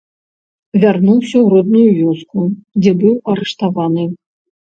Вярнуўся ў родную вёску, дзе быў арыштаваны.